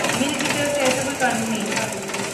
مل کی طرف سے ایسا کوئی قانون نہیں تھا